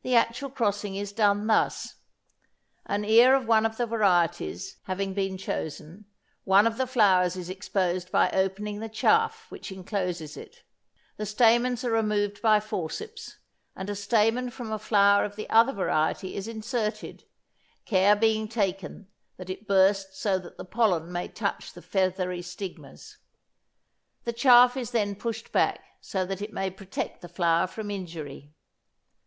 The actual crossing is done thus: An ear of one of the varieties having been chosen, one of the flowers is exposed by opening the chaff which encloses it (Fig. 3), the stamens are removed by forceps, and a stamen from a flower of the other variety is inserted, care being taken that it bursts so that the pollen may touch the feathery stigmas. The chaff is then pushed back so that it may protect the flower from injury.